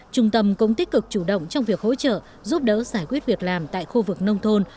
trung tâm cũng tích cực chủ động trong việc hỗ trợ giúp đỡ giải quyết việc làm tại khu vực nông thôn